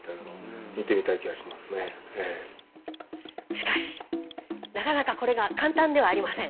しかしなかなかこれが簡単ではありません。